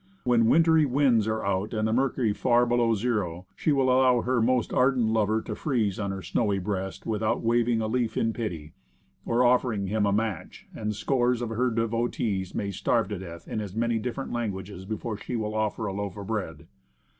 When wintry winds are Wood Life. 119 out and the mercury far below zero, she will allow her most ardent lover to freeze on her snowy breast without waving a leaf in pity, or offering him a match; and scores of her devotees may starve to death in as many different languages before she will offer a loaf of bread.